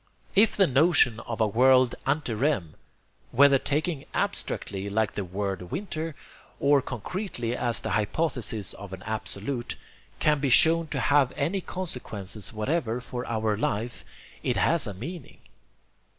If the notion of a world ante rem, whether taken abstractly like the word winter, or concretely as the hypothesis of an Absolute, can be shown to have any consequences whatever for our life, it has a meaning.